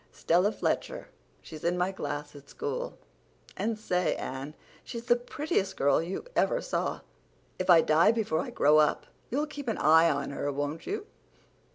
"Stella Fletcher; she's in my class at school. And say, Anne, she's the prettiest girl you ever saw. If I die before I grow up you'll keep an eye on her, won't you?"